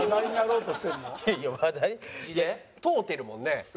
問うてるもんね。